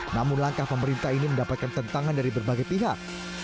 namun langkah pemerintah ini mendapatkan tentangan dari berbagai pihak